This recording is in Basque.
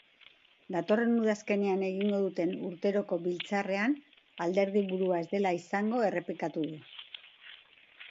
Datorren udazkenean egingo duten urteroko biltzarrean alderdi-burua ez dela izango errepikatu du.